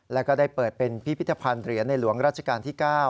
แล้วก็ได้เปิดเป็นพิพิธภัณฑ์เหรียญในหลวงราชการที่๙